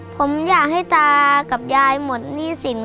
ผมอยากให้ตากับยายหมดหนี้สิน